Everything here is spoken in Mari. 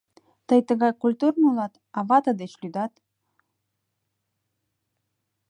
Тый тыгай культурный улат, а вате деч лӱдат.